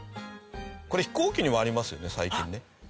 これ飛行機にもありますよね最近ね。